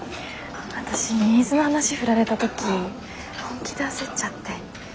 わたしニーズの話振られた時本気で焦っちゃって。